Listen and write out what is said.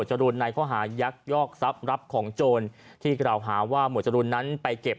จรูนในข้อหายักยอกทรัพย์รับของโจรที่กล่าวหาว่าหมวดจรูนนั้นไปเก็บ